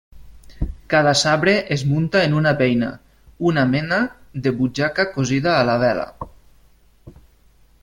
Cada sabre es munta en una beina, una mena de butxaca cosida a la vela.